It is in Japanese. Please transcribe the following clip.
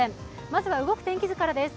まずは動く天気図からです。